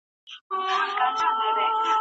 د ماسټرۍ برنامه بې دلیله نه تړل کیږي.